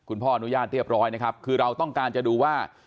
ขออนุญาตเรียบร้อยนะครับคือเราต้องการจะดูว่า